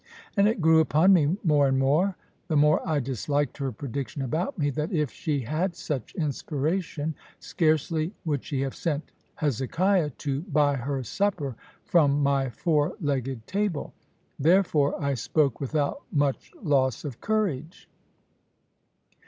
And it grew upon me more and more, the more I disliked her prediction about me, that if she had such inspiration, scarcely would she have sent Hezekiah to buy her supper from my four legged table. Therefore I spoke without much loss of courage.